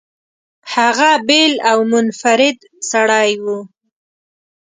هغه بېل او منفرد سړی و.